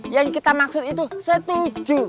yang kita maksud itu setuju